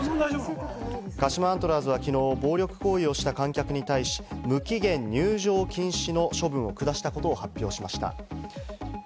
鹿島アントラーズはきのう、暴力行為をした観客に対し、無期限入場を禁止の処分を下したことを発表しました。